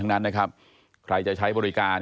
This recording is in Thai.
อาก็ขอกลายการหักมากกันสินะครับ